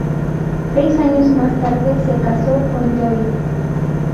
Seis años más tarde se casó con Joy.